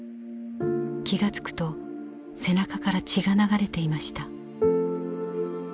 気が付くと背中から血が流れていました。